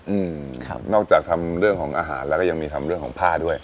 อืมครับนอกจากทำเรื่องของอาหารแล้วก็ยังมีทำเรื่องของผ้าด้วย